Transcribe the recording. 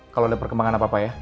kalau ada perkembangan apa pak ya